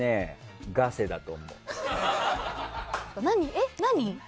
えっ、何？